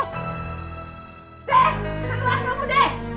deh kita keluar kamu deh